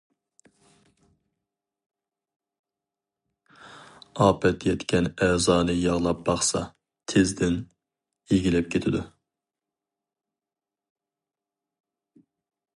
ئاپەت يەتكەن ئەزانى ياغلاپ باقسا تېزدىن يىگلەپ كېتىدۇ.